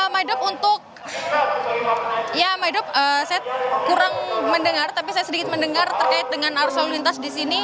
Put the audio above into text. maidop untuk ya my dof saya kurang mendengar tapi saya sedikit mendengar terkait dengan arus lalu lintas di sini